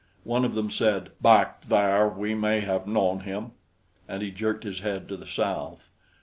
One of them said: "Back there we may have known him." And he jerked his head to the south.